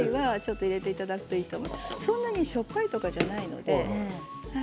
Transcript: そんなしょっぱいとかではないので。